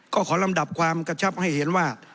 ก็ขอลำดับความกระชับให้เห็นว่า